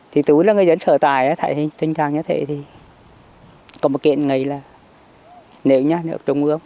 thì tối là người dân sở tài tại tình trạng như thế thì có một kiện ngày là nếu nhà nước trung ước